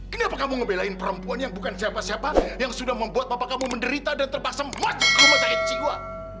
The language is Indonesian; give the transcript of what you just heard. kenapa kamu membelahi perempuan yang bukan siapa siapa yang sudah membuat papa kamu menderita dan terpaksa memuat rumah saya jiwa